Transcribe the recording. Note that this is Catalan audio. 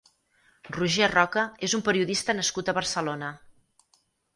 Roger Roca és un periodista nascut a Barcelona.